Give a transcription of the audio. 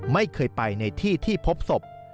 ไม่เคยไปในที่ที่พบศพ